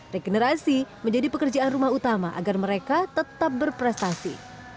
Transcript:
regenerasi menjadi pekerjaan rumah utama agar mereka tetap berprestasi